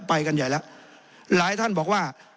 ไปกันใหญ่แล้วหลายท่านบอกว่า